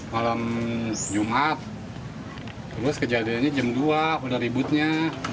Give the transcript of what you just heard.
malam jumat terus kejadiannya jam dua udah ributnya